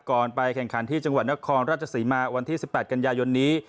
ไปแข่งขันที่จังหวัดนครราชศรีมาวันที่๑๘กันยายนนี้